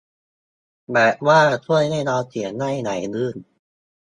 แบบว่าช่วยให้เราเขียนได้ไหลลื่น